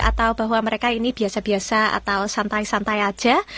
atau bahwa mereka ini biasa biasa atau santai santai saja